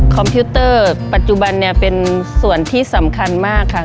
พิวเตอร์ปัจจุบันเนี่ยเป็นส่วนที่สำคัญมากค่ะ